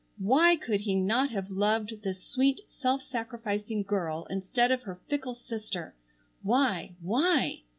Why could he not have loved this sweet self sacrificing girl instead of her fickle sister? Why? Why?